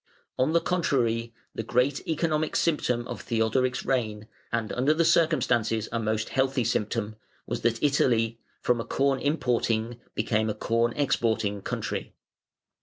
On the contrary, the great economic symptom of Theodoric's reign and under the circumstances a most healthy symptom was that Italy, from a corn importing became a corn exporting country.